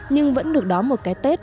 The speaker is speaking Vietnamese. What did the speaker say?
nhưng vẫn được đón một cái tết